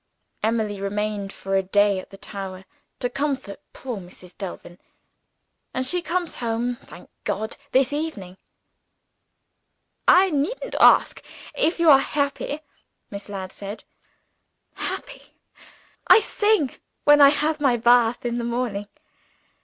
Emily remained for a day at the tower to comfort poor Mrs. Delvin and she comes home, thank God, this evening!" "I needn't ask if you are happy?" Miss Ladd said. "Happy? I sing, when I have my bath in the morning.